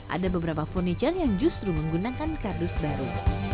ada beberapa furniture yang justru menggunakan kardus baru